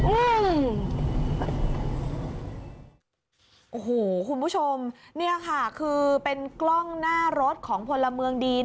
โอ้โหคุณผู้ชมเนี่ยค่ะคือเป็นกล้องหน้ารถของพลเมืองดี